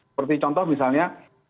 seperti contoh misalnya